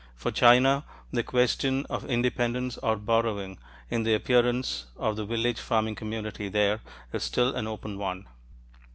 For China, the question of independence or borrowing in the appearance of the village farming community there is still an open one.